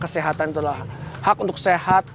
kesehatan itu adalah hak untuk sehat